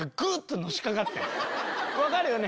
分かるよね